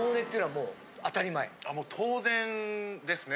もう当然ですね。